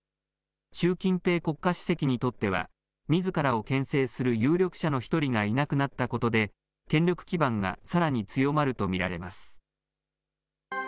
習近平国家主席にとってはみずからをけん制する有力者の１人がいなくなったことで、権力基盤がさらに強まると見られます。